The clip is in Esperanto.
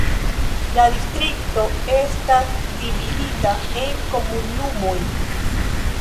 La distrikto estas dividita en komunumoj.